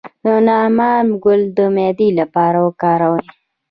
د نعناع ګل د معدې لپاره وکاروئ